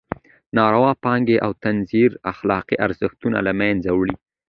ناروا پانګې او تزویر اخلاقي ارزښتونه له مېنځه وړي.